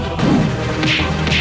kedai yang menangis